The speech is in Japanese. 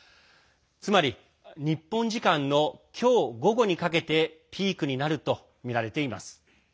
つまり、日本時間の今日午後にかけてピークになるとみられています。